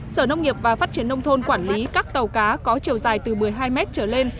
sở nông nghiệp và phát triển nông thôn quản lý các tàu cá có chiều dài từ một mươi hai mét trở lên